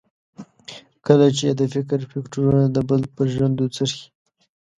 کله چې یې د فکر فکټورنه د بل پر ژرندو څرخي.